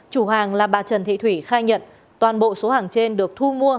chủ hàng là bà trần thị thủy khai nhận toàn bộ số hàng trên được thu mua